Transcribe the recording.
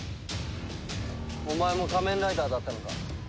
お前も仮面ライダーだったのか。